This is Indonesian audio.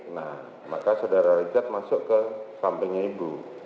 nah maka saudara richard masuk ke sampingnya ibu